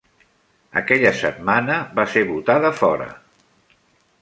Aquella setmana, va ser votada fora.